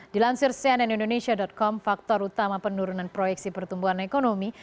dilansir cnnindonesia com faktor utama penurunan proyeksi pertumbuhan ekonomi